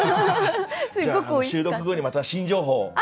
じゃあ収録後にまた新情報を。